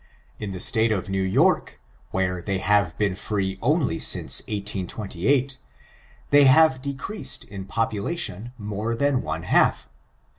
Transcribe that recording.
In the state of New York, where they have been free only since 1828, they hare de creased in population more than one half.